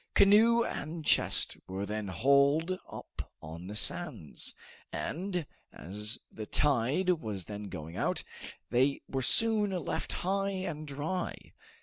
Canoe and chest were then hauled up on the sands; and as the tide was then going out, they were soon left high and dry.